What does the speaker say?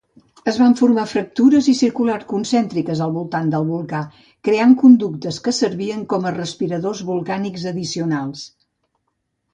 Es van formar fractures circulars i concèntriques al voltant del volcà, creant conductes que servien com a respiradors volcànics addicionals.